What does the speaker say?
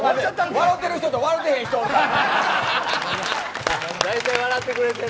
笑ってる人と笑ってへん人がおる。